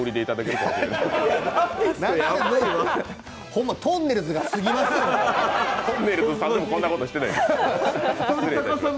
とんねるずさんでも、こんなことしてないです。